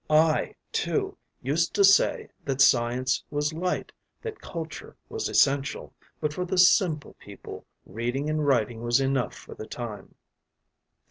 I, too, used to say that science was light, that culture was essential, but for the simple people reading and writing was enough for the time.